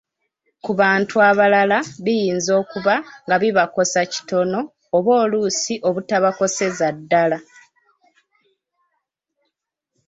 Ku bantu abalala biyinza okuba nga bibakosa kitono oba oluusi obutabakoseza ddala